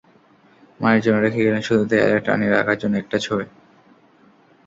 মায়ের জন্য রেখে গেলেন শুধু দেয়ালে টানিয়ে রাখার জন্য একটা ছবি।